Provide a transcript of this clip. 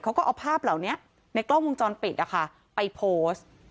เขาก็เอาภาพเหล่านี้ในกล้องวงจรปิดนะคะไปโพสต์